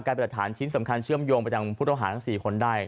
กลายเป็นอัตฐานชิ้นสำคัญเชื่อมโยงไปจากพุทธโอหารทั้ง๔คนได้